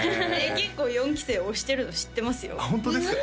結構４期生推してるの知ってますよあっ